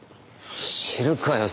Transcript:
知るかよ